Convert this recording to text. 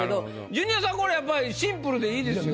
ジュニアさんこれやっぱりシンプルで良いですよね。